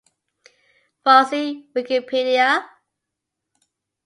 Farsi Wikipedia